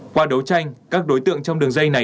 qua đấu tranh các đối tượng trong đường dây này